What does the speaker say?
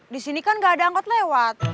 disini kan enggak ada angkot lewat